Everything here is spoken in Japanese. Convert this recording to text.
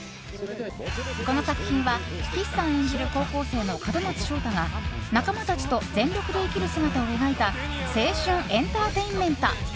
この作品は、岸さん演じる高校生の門松勝太が仲間たちと全力で生きる姿を描いた青春エンターテインメント。